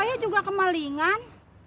saya juga kemalingan